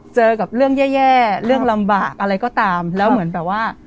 เจอกับเรื่องแย่เรื่องลำบากอะไรก็ตามแล้วเหมือนแบบว่า